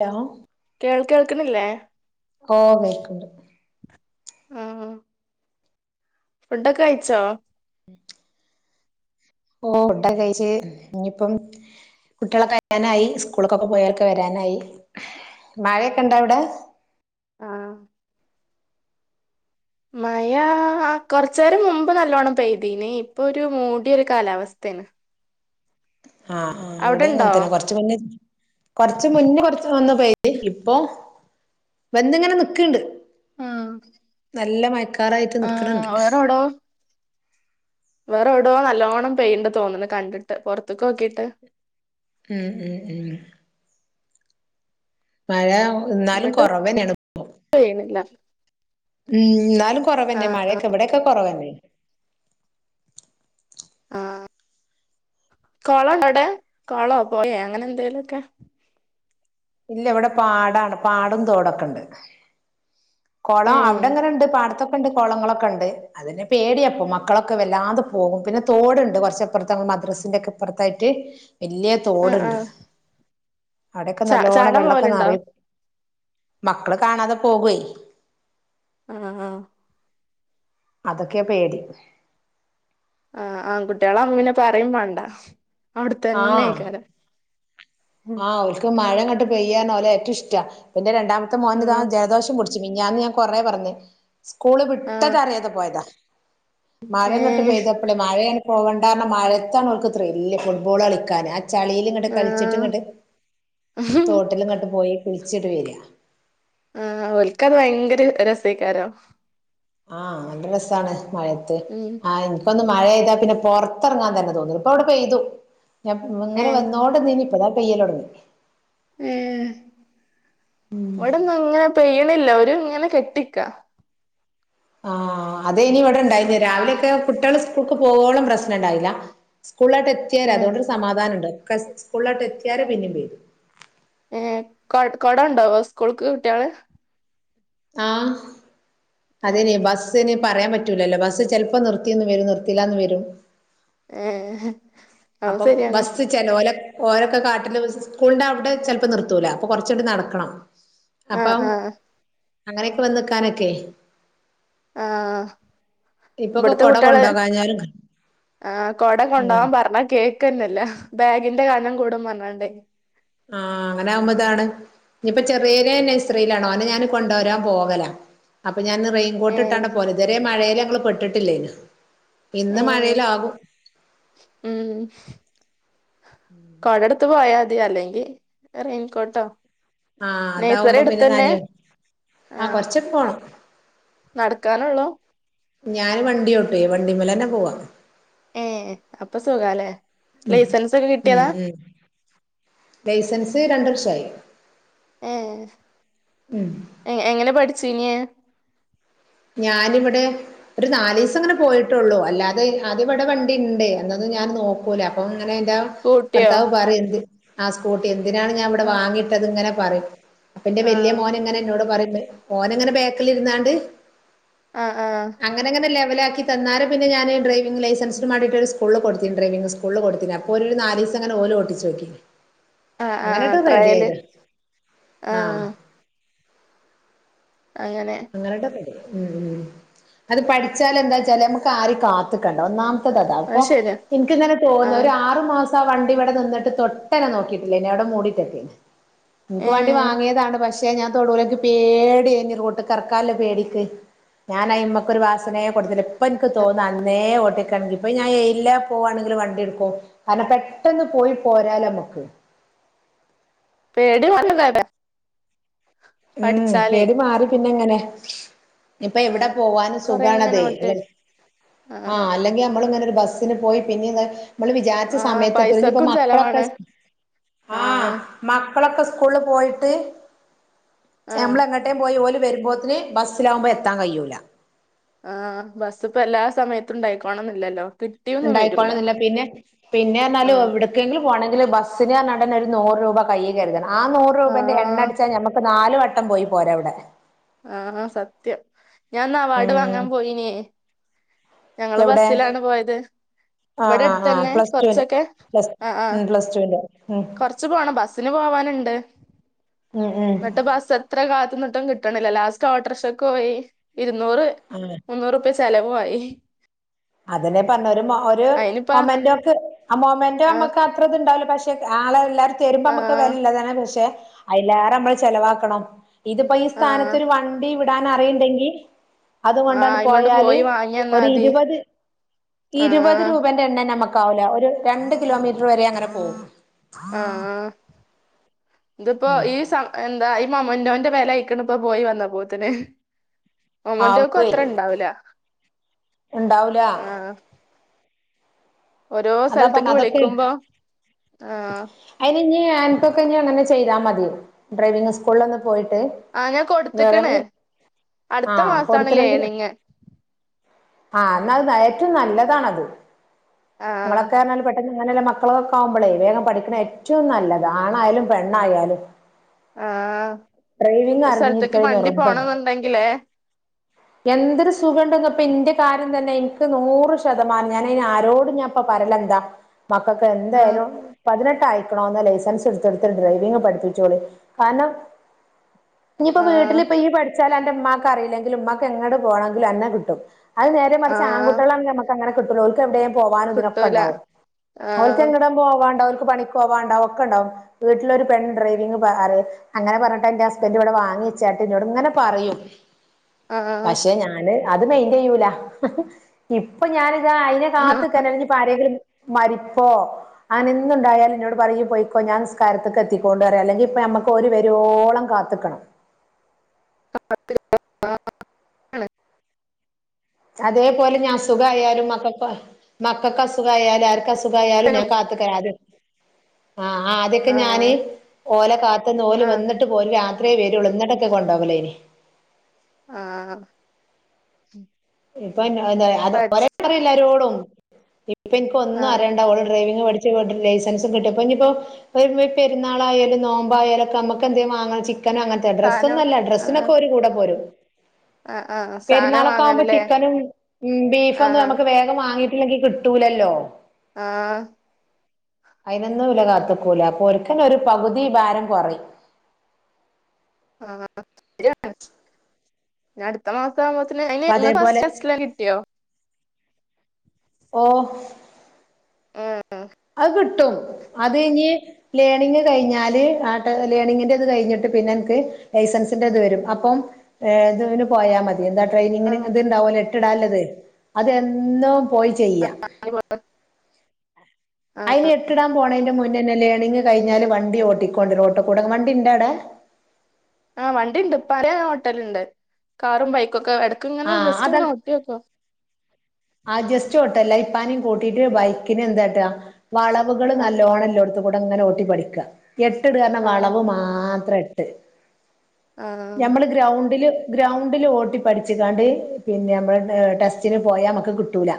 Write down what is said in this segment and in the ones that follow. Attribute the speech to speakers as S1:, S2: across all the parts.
S1: Hello
S2: കേൾ കേൾക്കണില്ലേ?
S1: ഓ കേക്ക്ണ്ട്
S2: [unintelligible] ഫുഡൊക്കെ കഴിച്ചോ?
S1: [inaudible] ഓ ഫുഡക്കെ കഴിച്ച് ഇഞ്ഞിപ്പം കുട്ടികളെ വരാനായി സ്കൂളക്കൊക്കെ പോയി വരാനായി. മഴക്കെ ഉണ്ട അവിടെ?
S2: ആഹ് മഴാ ആ കെറച്ച് നേരം മുമ്പ് നല്ലോണ്ണം പെയ്തിനി. ഇപ്പൊ ഒരു മൂടിയൊരു കാലാവസ്ഥേണ്.
S1: ആഹ് ആ അവിടെ
S2: അവിടെണ്ടോ
S1: ഇങ്ങന് തന്നെ കൊറച്ച് മുന്നെ കൊറച്ച മുന്നേ കൊറച്ച് വന്ന പെയ്ത്, ഇപ്പൊ വെന്ന്ങ്ങനെ നിക്ക്ണ്ട്.
S2: മ്
S1: നല്ല മയക്കാറായിട്ട് നിക്ക്ണണ്ട്
S2: വേറെവ്ടോ നല്ലോണ്ണം പെയിണ്ട് തോന്ന്ണ് കണ്ടിട്ട് പുറത്ത് കോക്കിട്ട്.
S1: ഉം ഉം ഉം മഴ എന്നാലും കുറവ് തന്നൊണ്.
S2: പെയ്യ്ണില്ല
S1: ഉം എന്നാലും കൊറവന്നെ മഴയൊക്കെ ഇവിടെയൊക്കെ കൊറവന്നേ
S2: ആഹ് കോളോഉണ്ടോഅവിടെ? കോളോ പെഴേ അങ്ങനെ എന്തേലുംക്കെ
S1: ഇല്ല ഇവിടെ പാടാണ്. പാടും തോടൊക്കെയുണ്ട്. കേളം
S2: ഉം
S1: അവിടെങ്ങനെുണ്ട് പാടത്തൊക്കെ ഉണ്ട് കുളങ്ങളൊക്കെ ഉണ്ട്. അതിനെ പേടിയപ്പ മക്കളൊക്കെ വല്ലാതെ പോകും. പിന്നെ തോടുണ്ട് കുറച്ചപ്പുറത്ത് മദ്രസിന്റെറെ ഒക്കെ ഇപ്പുറത്തായിട്ട്. വെല്ല്യയ
S2: ആ ആ
S1: തോടുണ്ട് അവിടെക്കെ
S2: ച
S1: നല്ലോണ്ണം
S2: ചാടാൻ പോവലുണ്ടോ
S1: വെള്ളക്കെന്നറയും. മക്കള് കാണാതെ പോകേയ്
S2: ആഹ് ആഹ്
S1: അതൊക്കെയാ പേടി
S2: ആഹ് ആൺകുട്ടികളാകുമ്പോപിന്നെപറയുംവേണ്ട, അവിടത്തന്നെ
S1: ആഹ്
S2: ആയിക്കാരം
S1: ആഹ് ഓൽക് മഴ അങ്ങട്ട് പെയ്യാന് ഓല ഏറ്റു ഇഷ്ട പിന്നെ രണ്ടാമത്തെ മോന് താ
S2: ആ
S1: ജലദോഷം പുട് ച്ചിമി മിഞാന്ന് ഞാൻ കൊറെ പറഞ്ഞ് സ്കൂള്
S2: ആ
S1: വിട്ടത അറിയാതെ പോയതാ. മഴ ഇങ്ങട്ട്
S2: ഏഹ്
S1: പെയ്തപ്പളെ മഴയ പോകേണ്ടാന്നറിഞ്ഞ മഴത്താണ് ഓൽക്ക് ത്രില്ല് ഫുട്ബോൾ കളിക്കാന് ആ ചളിയില് ഇങ്ങട്ട് കളിച്ചിട്ട് ഇങ്ങട്ട്.
S2: ഉ ഹും
S1: തോട്ടിലിങ്ങോട്ട് പോയി കുളിച്ചിട്ട് വരാ.
S2: ആഹ് അവൽക്കത് ഭയങ്കര രസക്കാരം.
S1: ആഹ് നല്ല രസാണ് മഴയത്ത്
S2: ഉം
S1: ആ ഇപ്പൊ ഒന്ന് മഴ പെയ്താൽ പിന്നെ പൊറത്തിറങ്ങാൻ തന്നെ തോന്നുല. ഇപ്പൊ ഇവിടെ പെയ്തു ഞാൻ ഇങ്ങനെ
S2: ഏഹ്
S1: വന്നോണ്ട് നിന്നീനി. ഇപ്പതാ പെയ്യലോട്ങ്ങി.
S2: ഉം ഇവിടൊന്നും ഇങ്ങനെ പെയ്യണില്ല ഒരു ഇങ്ങനെ കെട്ടിക്കാ
S1: ആഹ അത് ഏനി ഇവിടെ ഇണ്ടായിന്നെ
S2: അങ്ങനെ
S1: രാവിലെ ഒക്കെ കുട്ട്യേള സ്കൂൾക്ക് പോകോളും പ്രശ്നം ഇണ്ടായില്ല സ്കൂളിലട്ട് എത്തിയേ
S2: ഏഹ്
S1: അതുകൊ സമാധാന ഉണ്ട് ഒെ സ്കൂളിലോട്ട് എത്തിയാല് പിന്നും പേരും
S2: ഏ കൊടണ്ടാവോ സ്കൂൾക്ക് കുട്ട്യോള്
S1: ആഹ്
S2: ഏഹ്
S1: അതിനി ബസ്സിന് പറയാൻ പറ്റൂലല്ലോ ബസ്സ് ചെലപ്പോ നിർത്തിന്ന് വരും നിർത്തിയില്ലാന്ന് വരും
S2: ഏഹ് അത്
S1: അപ്പൊ
S2: ശരിയാണ്
S1: ബസ് ചില ഓല ഓരൊക്കെ കാട്ടില് സ്കൂളിന്റെ അവിടെ ചിലപ്പോ നിർത്തൂല അപ്പൊ കൊറച്ചൂടി നടക്കണം അപ്പ
S2: ആഹ് ആഹ്
S1: അങ്ങനെയൊക്കെ വന്ന് നിക്കാനൊക്കെ
S2: ആഹ്
S1: ഇപ്പൊക്കെ
S2: ഇവിടത്തെ
S1: കൊട
S2: കുട്ടികള്
S1: കൊണ്ടോകാഞ്ഞാലും
S2: ആ കൊട
S1: ഉം
S2: കൊണ്ടാവാൻ പറഞ്ഞ കേക്കന്നല്ല ബാഗിന്റെ കനം കൂടും പറഞ്ഞാണ്ടേ
S1: ആഹ അങ്ങനെയാവുമ്പം ഇതാണ് ഇനിപ്പോ ചെറിയേ നർസറിയിലാണ അനെ ഞാന് കൊണ്ടുവരാൻ പോകല അപ്പൾ
S2: ഏഹ്
S1: ഞാനന്ന്റെയിൻകോട്ടാണ് പോലെ ഇതരെ മഴേൽ ഞങ്ങൾ പെട്ടില്ലേന് ഇന്ന്
S2: ഏഹ്
S1: മഴയിലാകും
S2: ഉം കോടെടുത്ത് പോയാൽ മതി അല്ലെങ്കി റെയിൻ കോട്ടോ
S1: ആഹ അതാവുമ്പോ പിന്നെ ന്നനയോ ആഹ കൊറചൊക്കെപോണം
S2: നടക്കാനുള്ളോ
S1: ഞാൻ വണ്ടിയോട്ടെ വണ്ടീമല് തന്നെ പോവാ
S2: ഏഹ് അപ്പൊ സുഖല്ലേ ലൈസൻസൊക്കെ
S1: ഉം
S2: കിട്ടിയതാ
S1: ഉം ലൈസൻസ് രണ്ട് വർഷായി
S2: ഏഹ്
S1: ഉം
S2: എ എങ്ങനെ പഠിച്ചീന്യെ
S1: ഞാനിവിടെ ഒരു നാല് ദിവസം ഇങ്ങനെ പോയിട്ടുള്ളൂ അല്ലാതെ അദ്യ ഇവിടെ വണ്ടിണ്ട് എന്നന്ന് ഞാൻ നോക്കൂല അപ്പം ഇങ്ങനെ എന്റാ
S2: സ്കൂട്ടിയോ
S1: ഭർത്താവ് പറയും എന് ആ സ്കൂട്ടി എന്തിനാണ് ഞാൻ ഇവിടെ
S2: ആഹ്
S1: വാങ്ങിട്ടത് ഇങ്ങനെ പറയും അപ്പ എന്റെ വലിയ
S2: ആഹ്
S1: മോൻ ങ്ങനെ എന്നോട് പറയേ മോന എങ്ങനെ ബാക്കിലിരുന്നാണ്ട്
S2: ആഹ് ആഹ്
S1: അങ്ങനെങ്ങനെലെവലാക്കി തന്നാല് പിന്നെ ഞൻ ഡ്രൈവിംഗ ലൈസൻസിന്ണ്ടയിട്ട് സ്കൂള് കൊടു ഡ്രൈവിങ്് സ്ൂൾ ഫുള്ള് കൊടുത്തിന് അപ്പോ നാലീസം അങ്ങെനെ ഓല് ഓടിചോക്കി
S2: ആഹ് ആഹ്
S1: അങ്ങനെട്ടോ റെഡി
S2: ട്രയല്
S1: ആയത ആഹ
S2: ആഹ് അങ്ങനെ
S1: അങ്ങനത്തെ പെടെ ഉ ഉ അത് പഠിച്ചാൽ എന്താ വച്ചാല് നമുക്ക് ആരേ കാത്ത്ക്കണ്ട ഒന്നാം
S2: അത്
S1: അപ്പൊ
S2: ശരിയാ
S1: എനിക്ക്ഇങ്ങനെ തോന്നുന്നു ഒരു
S2: ആഹ്
S1: ആറു മാസ ച്ചാ വണ്ടിവിടെ നിന്നിട്ട് തൊട്ടന നോക്കിയിട്ടില്ല അവിടെ മൂടിയിട്ടെത്തിന് ഇന്ക്ക് വേണ്ടി
S2: ഏഹ്
S1: വാങ്ങിയതാണ് പക്ഷെ ഞാൻ തൊടൂല ഇന്ക്ക് പേടിയേനി റോട്ട് കറക്കാള്ള പേടിക്ക് ഞാൻ അയിമ്മക്ക് ഒരു വാസനെ കൊടുത്തില്ല ഇപ്പ നിക്ക് തോന്ന അന്നേ ഓട്ടിക്കണങ്കില് ഞാൻ പോവാണെങ്കിൽ വണ്ടി എടുക്കും കാരണം പെട്ടെന്ന് പോയി പോരാലൊ നമുക്ക്
S2: പേടി വന്ന കത
S1: ഉം പേടി മാറി പിന്നെ ങ്ങനെ ഇപ്പൊ എവിടെ
S2: ആഹ്
S1: പോവാനും
S2: കൊറെ ഇങ്ങനെ
S1: സുഖണതെ
S2: ഓട്ടി
S1: അ ആ
S2: ആഹ്
S1: അല്ലെങ്കിൽ നമ്മള ഇങ്ങനെ ഒരു ബസ് ന് പോയി പിന്നെ നമ്മള് വിചാരിച്ച
S2: ആഹ്
S1: സമയത്ത്എത്തൂല
S2: പൈസക്കും
S1: മക്കളൊക്കെ
S2: ചെലവാണ്
S1: ആ
S2: ആഹ്
S1: മക്കളൊക്കെ സ്കൂള് പോയിട്ട്.
S2: ആഹ്
S1: ഞമ്മളെങ്ങട്ടേ പോയി ഓല് വരുമ്പോത്തിന് ബസ്സ്ലാവുമ്പോ എത്താൻ കയ്യൂല.
S2: ആഹ് ബസ്സ് ഇപ്പോ എല്ലാ സമയത്തും ഉണ്ടായിക്കോണം ന്നില്ലല്ലോ.
S1: ഉണ്ടായിക്കോളണംന്നില്ല പിന്നെ പിന്നെറ്ഞ്ഞാല്
S2: ആഹ്
S1: ഇവ്ടെ. കേങ്കിൽ പോണങ്കിൽ ബസ്സ്നാർഞാണ്ട് ന്നെ ഒരു നൂറ് രൂപ കയ്യി കരുതണം ആഹ് നൂറ് രൂപേന്റെ എണ്ണ
S2: ആഹ്
S1: അട ച്ച ഞമ്മക്ക് നാല് വട്ടം പോയി പോരാ അവ്ടെ.
S2: ആഹ് സത്യം ഞാൻ ന്ന് അവാർഡ്
S1: ഉം
S2: വാങ്ങാൻ പോയിനി. ഞങ്ങള്
S1: എവിടെ
S2: ബസ്സിലാണ് പോയത്.
S1: ആഹ്
S2: ഇവിടെ
S1: ആഹ് ആഹ്
S2: അടുത്തന്നെ
S1: പ്ലസ് ടുവിന്റെ
S2: കെറ്ച്ചൊക്കെ
S1: പ്ലസ്
S2: ആഹ് ആഹ്
S1: ഉം പ്ലസ് ടുവിന്റെ ഉം
S2: കൊറ ച്ച് പോണം ബസ്സ്ന് പോവാന്ണ്ട്
S1: ഉം ഉം
S2: എന്നിട്ട് ബസ്സ് എത്ര കാത്ത്ന്നിട്ടും കി ട്ട്ണില്ല ലാസ്റ്റ് ഓട്ടോറിക്ഷക്ക് പോയി ഇരുന്നൂറ്.
S1: ആഹ്.
S2: മുന്നൂറുപ്യ ചെലവു ആയി.
S1: അതെന്നെ പറ്ഞ്ഞെ ഒരു ഒരു
S2: അയിനിപ്പ
S1: മൊമെന്റോക്കെ ആഹ് മൊമെന്റോ
S2: ആഹ്
S1: നമ്മുക്ക് അത്ര. ണ്ടാവുല പക്ഷേ ആളെ എല്ലാരും തരുമ്പോ നമ്മക്ക്
S2: ആഹ്
S1: വെലല്ലതാന്നെ പക്ഷേ. അയ്ലേറെ നമ്മള് ചെലവാക്കണം ഇതിപ്പോ ഈ
S2: ആഹ്
S1: സ്ഥാനത്തരു വണ്ടി വിടാൻ അറിയ്ണ്ടെങ്കി. അതു
S2: ആഹ്
S1: കൊണ്ടാണ്ട്
S2: അയിമണ്ട്
S1: പോയാല്
S2: പോയി വാങ്ങിയന്നാ
S1: ഒരു
S2: മതി
S1: ഇരുപത്. ഇരുപത്
S2: ആഹ്
S1: രൂപന്റെ എണ്ണ നമ്മക്കാവൂല ഒരു രണ്ട് കിലോമീറ്റർ വരെ അങ്ങനെ പോകും.
S2: ആഹ് ആഹ് ഇതിപ്പോ ഈ സമ എന്താ ഈ മൊമ്മന്റോന്റെ വെലായിക്ക്ണ ഇപ്പോ പോയി വന്ന പോത്തിന്. മൊമ്മന്റോക്കും
S1: ആകുവേ
S2: അത്ര ഇണ്ടാവൂല
S1: ഉണ്ടാവൂല
S2: ആഹ്. ഓരോ
S1: അതാ
S2: സല്ത്ത്ക്ക്
S1: പറഞ്ഞ അതൊക്കെ
S2: വിളിക്കുമ്പം ആഹ്.
S1: അയിന് ഇഞ് അന്ക്കൊക്കെ ഞ് അങ്ങനെ ചെയ്താ മതി ഡ്രൈവിങ്ങ് സ്കൂളിലൊന്ന് പോയിട്ട്.
S2: ആഹ് ഞാൻ
S1: വേറെ
S2: കൊട്ത്ത്ക്ക്ണ്
S1: ആ
S2: അട്ത്ത മാസാണ്
S1: കൊടുത്തണെങ്കില്
S2: ലേണിങ്ങ്.
S1: ആഹ് ന്നാൽ ഏറ്റവും നല്ലതാണത്
S2: ആഹ്
S1: നിങ്ങളൊക്കെ പറ്ഞ്ഞാല് പഠി അങ്ങനല്ല മക്കളൊക്കെ ആവുമ്പളേ വേഗം പഠിക്ക്ണ ഏറ്റവും നല്ലത് ആണായാലും പെണ്ണായാലും.
S2: ആഹ്
S1: ഡ്രൈവിങ്
S2: ഒരു സ്ഥലത്തേക്ക്
S1: അറിഞ്ഞിരിക്കണം
S2: മണ്ടി
S1: നിർബന്ധ
S2: പോണംന്നുണ്ടെങ്കിലേ
S1: എന്തൊരു സുഖം ഉണ്ടന്ന്പ്പന്റെ കാര്യം തന്നെ ഇന്ക്ക് നൂറ് ശതമാനം ഞൻ ആരോടും ഞാൻ. ഇപ്പൊ പറിലെന്താ മക്കൾക്ക്
S2: ആഹ്
S1: എന്തായാലും. പതിനെട്ട് ആയിക്ക്ണോ എന്ന ലൈസൻസ് ഇട്ത്തൊട്ത്ത് ഡ്രൈവിങ് പഠിപ്പിച്ചോളി കാരണം. ഇഞിപ്പോ
S2: ആഹ്
S1: വീട്ടിലിപ്പ ഈ പഠിച്ചാല് അന്റെ ഇമ്മാക്ക് അറീലെങ്കിലും ഇമ്മാക്ക് എങ്ങട്ട് പോണെങ്കിലും അന്നെ കിട്ടും. അഅ് നേരെ മറ്ച്ച്
S2: ആഹ്
S1: ആൺകുട്ടിളാണ് നമ്മക്ക് അങ്ങനെ കിട്ടൂല ഓൽക്ക് എവിടെ പോവാനും
S2: കിട്ടൂല
S1: ഇതിനൊക്കെണ്ടാവും
S2: ആഹ്
S1: ഓൽക്ക്ങ്ങനെ. പോവാണ്ടാവും ഓല്ക്ക് പണിക്ക് പോവാണ്ടാവും ഒക്കെണ്ടാവും വീട്ടിലെരു പെൺ ഡ്രൈവിങ്ങ് അറി അങ്ങനെ പറ്ഞ്ഞിട്ട് എന്റെ ഹസ്ബന്റ് ഇവ്ടെ വാങ്ങിച്ചാട്ട് എന്നോട് ഇങ്ങനെ പറയും.
S2: ആഹ്
S1: പക്ഷേ ഞാന് അത് മെയിന്റെയ്യൂല ഇപ്പൊ ഞാനിതാ അയിനെ. കാത്ത്ക്കാനഞ്ഞ് ഇപ്പോ ആരങ്കിലും മരിപ്പോ. അനെ എന്തുണ്ടായാലും ഇന്നോട് പറയും ഇയ്യ് പോയിക്കോ ഞാൻ നിസ്കാരത്ത്ക്ക് എത്തിക്കോണ്ട് റിയും അല്ലെങ്കിൽ ഇപ്പ നമ്മക്ക് ഒല് വരോളം. കാത്ത്ക്കണം.
S2: [inaudible]
S1: അതേപോലെ ഞാൻ അസുഖായാലും മക്കൾ മക്കൾക്ക് അസുഖായാലും ആർക്കും. അസുഖായാലും ഞാൻ കാത്ത്ക്കാ [unintelligible] ആഹ് ആദ്യക്കെ ഞാന്
S2: ആഹ്
S1: ഓലെ കാത്ത്ന്ന് ഓല്
S2: ആഹ്
S1: വന്ന്ട്ട്. ട്ട് പോ രാത്രിയെ വരൂള്ളൂ എന്നിട്ടൊക്കെ കൊണ്ടോകലേനി.
S2: ആഹ്.
S1: ഇപ്പൊ എന്താ ഒര
S2: പഠിച്ച്
S1: അറിയില്ലരോടും ഇപ്പ ഇന്ക്ക് ഒന്നും
S2: ആഹ്
S1: അറിയണ്ടാ ഓൾ ഡ്രൈവിംഗ് പഠി [unintelligible] ലൈസൻസും കിട്ടും അപ്പൊനിപ്പോ ഉപ്പെ ഉമ്മേം ഒരു പെരുന്നാളായാലും നോമ്പായാലൊക്കെ നമുക്കെന്തേ വാങ്ങ ചിക്കനാ അങ്ങൻ ത്തെ
S2: സാനം
S1: ഡ്രസ്വന്നല്ല
S2: ആഹ്
S1: ഡ്രസ്സിനൊക്കെ ഓര് കൂടെ പോരും
S2: ആഹ് ആഹ് സാനം
S1: പെരുന്നാളൊക്കെ
S2: വാങ്ങാന്
S1: ആവുമ്പോ
S2: ല്ലേ
S1: ചിക്കനും ബീഫൊന്നും നമുക്ക് വേഗം വാങ്ങിയിട്ടില്ലെങ്കി കിട്ടൂലല്ലോ
S2: ആഹ്
S1: അയ്നൊന്നും ഓല കാത്ത്കൂല അപ്പൊ ഓൽക്കന്നെ ഒരു പകുതി ഭാരം കുറയ്
S2: ആഹ് [unintelligible] അടുത്ത മാ വ്മ്പോതിന് അയിന്
S1: അപ്പൊ അതേപോലെ
S2: [unintelligible] കിട്ടിയോ
S1: ഓഹ്
S2: ആഹ്
S1: അത്കിട്ടും അത് ഇനി ലേണിങ് കഴിഞ്ഞാല് ആട്ട് ലേണിങ്ങിന്റെ ത് കഴിഞ്ഞിട്ട് പിന്നെ അനക്ക് ലൈസൻസിന്റെ ഇത് വരും അപ്പം ഏഹ് ഇതിന് പോയാ മതി എന്താ ട്രെയിനിങ്ങിന്
S2: ആഹ്
S1: ഇത്ണ്ടാവലോ എട്ടിടാല്ലത് അതുംഎന്നും പോയി ചെയ്യാ
S2: [unintelligible]
S1: അയിന് എട്ടിടാൻ പോണതിന്റെ മുന്നേന്നെ ലേണിങ്ങ് കഴിഞ്ഞാല് വണ്ടി ഓട്ടിക്കോണ്ട് റോട്ട്ക്കൂടെ വണ്ടിണ്ടാ അവിടെ?
S2: ആഹ് വണ്ടിണ്ട് ഇപ്പാന്റെ ഓട്ടലുണ്ട് കാറും ബൈക്കും ഒക്കെ എടക്കിങ്ങനെ
S1: ആഹ്
S2: ജസ്റ്റ്
S1: അത
S2: ഇങ്ങനെ ഓട്ടിഓക്കും
S1: ആ ജസ്റ്റ് ഓട്ടല്ല ഇപ്പാനും കൂട്ടിയിട്ട് ബൈക്കിന് എന്താട്ടാ വളവുകൾ
S2: ആഹ്
S1: നല്ലോണല്ലോടുത്തു കൂടെ ഇങ്ങനെ ഓട്ടി പഠിക്ക എട്ട്ട് അർഞ്ഞ
S2: ആഹ്
S1: വളവ് മാത്രം എട്ട്
S2: ആഹ്
S1: ഞമ്മള് ഗ്രൗണ്ടില് ഗ്രൗണ്ടില് ഓട്ടി പഠിച്ചിക്കാണ്ട് പിന്നെ നമ്മള് ടെസ്റ്റിന് പോയാമ ക്ക് കിട്ടൂല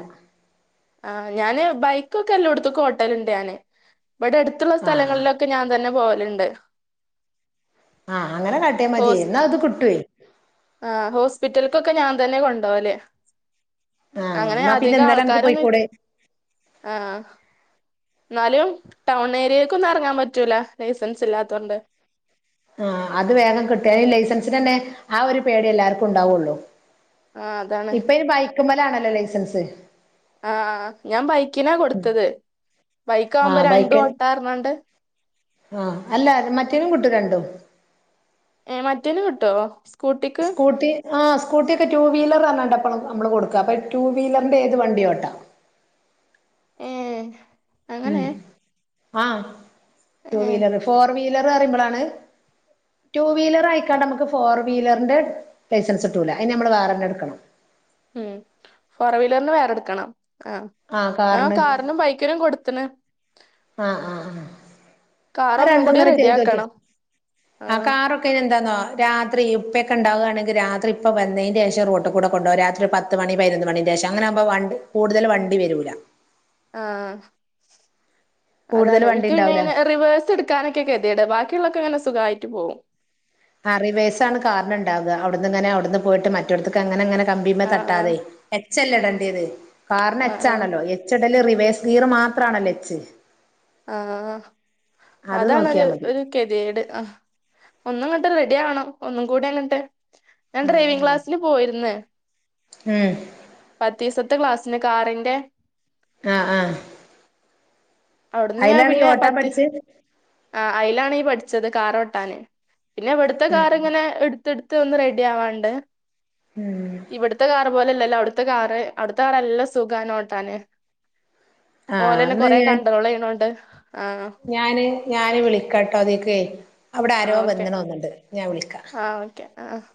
S2: ആഹ് ഞാന് ബൈക്കൊക്കെ അല്ലോട്ത്ത്ക്കു ഓട്ടലുണ്ട് ഞാന് ഇവിടെ അടുത്തുള്ള
S1: ആഹ്
S2: സ്ഥലങ്ങളിലൊക് ക്ക് ഞാൻ തന്നെ പോവലുണ്ട്
S1: ആഹ് അങ്ങനെ കാട്ടിയാ മതിയേ
S2: ഹോസ്
S1: എന്നാ അത് കിട്ടുവേ
S2: ആഹ് ഹോസ്പിറ്റൽക്കൊക്കെ ഞാൻ തന്ന്യാ കൊണ്ടോവല്
S1: ആഹ്
S2: അങ്ങനെ
S1: എന്നാ പിന്നെ
S2: അധികം
S1: ഇന്നലെ അനക്ക്
S2: ആൾക്കാരൊന്നുൽ
S1: പോയിക്കൂടെ
S2: ആഹ് എന്നാലും ടൗൺ ഏരിയക്കൊന്നും ഇറങ്ങാൻ പറ്റൂല ലൈസൻസ് ഇല്ലാത്തോണ്ട്
S1: ആഹ് അത് വേഗം ക്ട്ടു ഐ ലൈസൻസിനന്നെ ആ ഒരു പേടി എല്ലാവർക്കും ഉണ്ടാവുള്ളൂ
S2: ആഹ് അതാണ്
S1: ഇപ്പൊ ഇ ബൈക്കുമ്മലാണല്ലോ ലൈസൻസ്
S2: ആഹ് ഞാൻ ബൈക്കിനാ കൊടുത്തത് ബൈക്ക് ആവുമ്പോ
S1: ആഹ്
S2: രണ്ടും
S1: ബൈക്ക്
S2: ഓട്ടാർഞ്ഞോണ്ട്.
S1: ആഹ് അല്ല മറ്റേനും കിട്ടും രണ്ടും
S2: ഏഹ് മറ്റേനും കിട്ടോ സ്കൂട്ടിക്ക്
S1: സ്കൂട്ടി ആഹ് സ്കൂട്ടിയൊക്കെ ടു വീലർനർഞാണ്ടപ്പൾ നമ്മൾ കൊടുക്കാ അപ്പം ടു വീലറിൻ്റെ ഏത് വണ്ടിയോട്ടാ
S2: ഏഹ്
S1: ഉം ആഹ് ടു
S2: ഏ
S1: വീലർ ഫോർ വീലർ പറയുമ്പോളാണ് ടു വീലർ ആയിക്കാണ്ട് നമുക്ക് ഫോർ വീലറിന്റെ ലൈസൻസ് കിട്ടുല അതിന് നമ്മൾ വാറന്ന എടുക്കണം
S2: ഉം ഫോർ വീലറിന് വേറെടുക്കണം ആഹ് ഞാൻ കാറിനും ബൈക്കിനും കൊടുത്ത്ണ്
S1: ആഹ് ആഹ് ആഹ്
S2: കാർ ഒന്നും കൂടി
S1: അരണ്ടുങ്ങനെ
S2: റെഡി
S1: ചെയ്തോക്കിയോ
S2: ആക്കണം
S1: ആ കാറൊ ക്കെനെന്താന്നോ രാത്രി ഉപ്പെക്കെ ഇണ്ടാവുകയാണെങ്കിൽ രാത്രി ഇപ്പ വന്നതിന്റെ ശേഷം റോട്ട് കൂടെ കൊണ്ടപോക രാത്രി പത് ത്ത് മണി പതിനൊന്ന് മണിന്റെശം അങ്ങനെകുമ്പോ വണ്ട് കൂടുതല് വണ്ടി വരൂല
S2: ആഹ്
S1: കൂടുതൽ
S2: അതാണ്
S1: വണ്ടി
S2: എനിക്ക് പിന്നെങ്ങനെ
S1: ഉണ്ടാവൂല
S2: റിവേസ് സെടുക്കാനൊക്കെ കെത്യേട് ബാക്കിയുള്ളൊക്കങ്ങനെ സുഖായിട്ട് പോവും
S1: ആ റിവേസാണ് കാറ്ന് ഇണ്ടാവാ അവ്ട്ന്ന് ഇങ്ങനെ അവ്ട്ന്ന് പോയിട്ട് മറ്റോട്ത്ത്ക്ക് അങ്ങനെ അങ്ങനെ കമ്പിമ
S2: ആ
S1: തട്ടാതെ എച്ച് അല്ലേ ഇടേണ്ടിയത് കാരണം
S2: ആ
S1: എച്ചാണല്ലോ എച്ച് ഇടല് റിവേസ് ഗീറ് മാത്രാണല്ലോ എച്ച്
S2: ആഹ്
S1: അത്
S2: അതാണ്
S1: നോക്കിയാ
S2: ഒര്
S1: മതി
S2: ഒര് കെത്യേട് അഹ് ഒന്നും ഇങ്ങട്ട് റെഡി ആവണം ഒന്നും കൂടി അങ്ങട്ട് ഞാൻ
S1: ഉം
S2: ഡ്രൈവിങ്
S1: ഉം
S2: ക്ലാസ്സ്ല് പോയിര്ന്ന്
S1: ഉം
S2: പത്തീസത്തെ ക്ലാസ്സ്ന് കാറിന്റെ
S1: ആ ആ
S2: അവ്ട്ന്ന് ഞാൻ
S1: ഈ
S2: പിന്നെ
S1: ഓട്ടാൻ
S2: പത്ത്
S1: പഠിച്ചേ
S2: ആ അഴിലാണ് ഈ പഠിച്ചത് കാറോട്ടാന് പിന്നെ ഇവട്ത്ത
S1: ഉം
S2: കാറ് ഇങ്ങനെ ഇട് ത്ത്ട്ത്ത് ഒന്ന് റെഡി ആവാണ്ട്
S1: ഉം
S2: ഇവട്ത്ത കാറ് പോലല്ലല്ലോ അവ്ട്ത്തെ കാറ് അവ്ട്ത്ത കാറ് നല്ല സുഖാണോട്ടാന്
S1: ആഹ്
S2: ഓലന്നെ
S1: എന്നാ
S2: കൊറെ
S1: ഞാൻ
S2: കൺട്രോള് ചെയ്യ്ണൊണ്ട് ആഹ്
S1: ഞാന് ഞാന് വിളിക്കട്ടോ ഇതിക്കെ അവ്ടെ ആരോ വന്ന്ണ് തോന്ന്ണ്ട് ഞാൻ വിളിക്കാ
S2: ക്ക്യ ആ ആഹ്